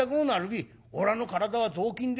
おらの体は雑巾でねえ。